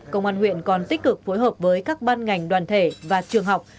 công an huyện còn tích cực phối hợp với các ban ngành đoàn thể và trường học